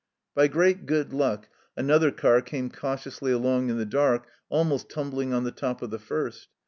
By great good luck another oar came cautiously along in the dark, almost tumbling on the top of the first.